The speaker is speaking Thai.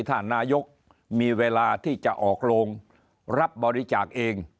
ถ้านายกมีเวลาที่จะออกโรงรับบริจาคเอง